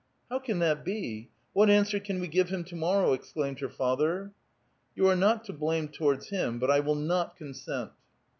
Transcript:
"How can that be? What answer can we give him to morrow?" exclaimed her father. " You are not to blame towards him, but I will not con sent."